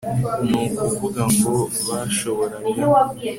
ni ukuvuga ngo bashoboraga